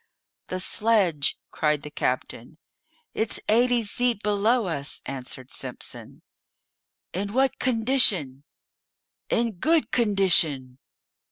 "The sledge!" cried the captain. "It's eighty feet below us," answered Simpson. "In what condition?" "In good condition."